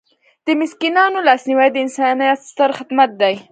د مسکینانو لاسنیوی د انسانیت ستر خدمت دی.